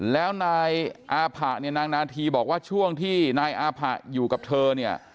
แล้วนายอาผะเนี่ยนางนาธีบอกว่าช่วงที่นายอาผะอยู่กับเธอเนี่ย